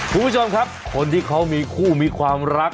คุณผู้ชมครับคนที่เขามีคู่มีความรัก